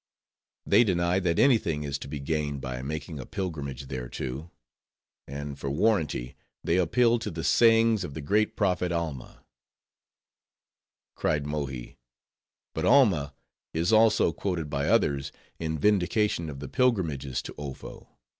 They deny that any thing is to be gained by making a pilgrimage thereto. And for warranty, they appeal to the sayings of the great prophet Alma." Cried Mohi, "But Alma is also quoted by others, in vindication of the pilgrimages to Ofo.